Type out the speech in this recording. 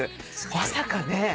まさかね。